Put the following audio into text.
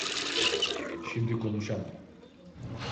Şimdi konuşamam.